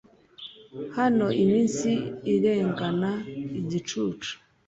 hano iminsi irengana igicucu